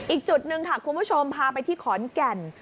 อีกจุดหนึ่งค่ะคุณผู้ชมพาไปที่ขอนแก่น